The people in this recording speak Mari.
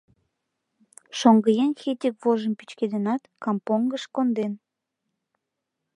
Шоҥгыеҥ хетик вожым пӱчкеденат, кампонгыш конден.